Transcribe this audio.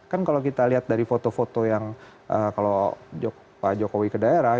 kan kalau kita lihat dari foto foto yang kalau pak jokowi ke daerah